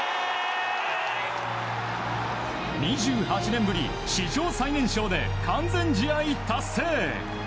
２８年ぶり、史上最年少で完全試合達成！